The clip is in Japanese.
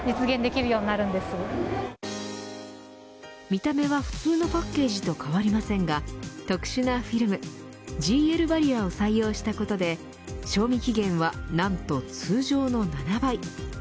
見た目は普通のパッケージと変わりませんが特殊なフィルムＧＬＢＡＲＲＩＥＲを採用したことで賞味期限は何と通常の７倍。